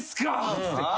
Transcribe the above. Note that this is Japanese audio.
っつって。